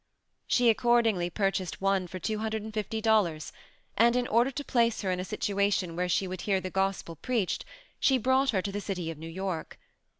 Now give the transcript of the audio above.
She accordingly purchased one for $250 and in order to place her in a situation where she would hear the gospel preached, she brought her to the city of New York.